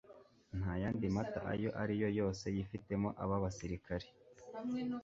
nta yandi mata ayo ari yo yose yifitemo aba basirikari